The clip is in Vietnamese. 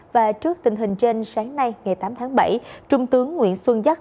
và trước tình hình trên sáng nay ngày tám tháng bảy trung tướng nguyễn xuân giáp